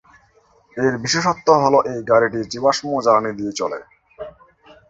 এর বিশেষত্ব হল এই গাড়িটি জীবাশ্ম জ্বালানি দিয়ে চলে।